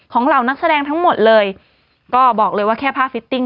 เหล่านักแสดงทั้งหมดเลยก็บอกเลยว่าแค่ผ้าฟิตติ้ง